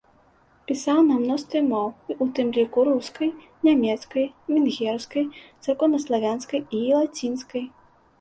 Пісаў на мностве моў, у тым ліку рускай, нямецкай, венгерскай, царкоўнаславянскай і лацінскай.